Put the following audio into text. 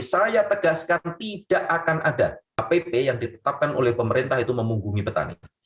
saya tegaskan tidak akan ada hpp yang ditetapkan oleh pemerintah itu memunggungi petani